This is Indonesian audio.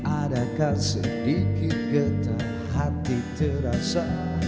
adakah sedikit getah hati terasa